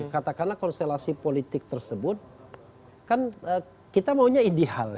katakanlah konstelasi politik tersebut kan kita maunya ideal